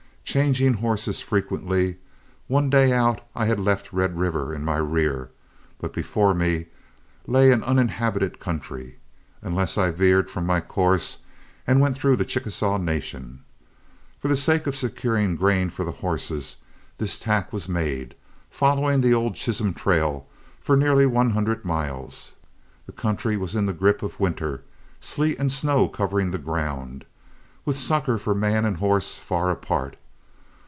Changing horses frequently, one day out I had left Red River in my rear, but before me lay an uninhabited country, unless I veered from my course and went through the Chickasaw Nation. For the sake of securing grain for the horses, this tack was made, following the old Chisholm trail for nearly one hundred miles. The country was in the grip of winter, sleet and snow covering the ground, with succor for man and horse far apart.